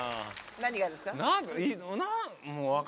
何がですか？